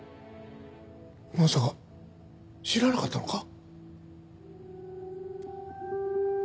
まさか知らなかったのか？